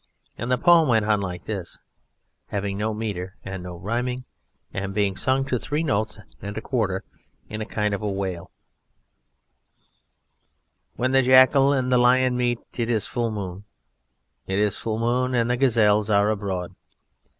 And the poem went like this; having no metre and no rhyming, and being sung to three notes and a quarter in a kind of wail: "When the jackal and the lion meet it is full moon; it is full moon and the gazelles are abroad."